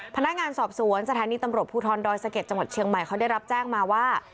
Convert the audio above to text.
พนักงานสอบสวนสถานีตำรวจภูทรดอยสะเก็ดจังหวัดเชียงใหม่เขาได้รับแจ้งมาว่า